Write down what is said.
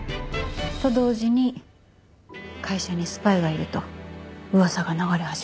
と同時に会社にスパイがいると噂が流れ始めた。